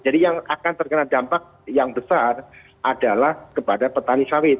jadi yang akan terkena dampak yang besar adalah kepada petani sawit